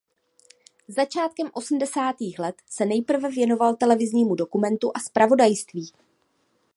Začátkem osmdesátých let se nejprve věnoval televiznímu dokumentu a zpravodajství.